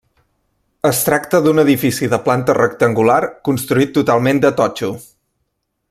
Es tracta d'un edifici de planta rectangular construït totalment de totxo.